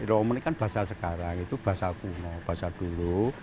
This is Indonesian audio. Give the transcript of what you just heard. rawapening kan bahasa sekarang itu bahasa kuno bahasa dulu